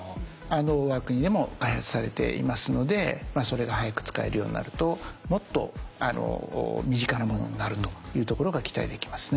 我が国でも開発されていますのでそれが早く使えるようになるともっと身近なものになるというところが期待できますね。